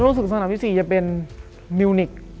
รู้สึกสนามที่๔จะเป็นมิวนิก